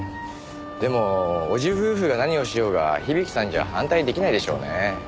でも叔父夫婦が何をしようが響さんじゃ反対出来ないでしょうねえ。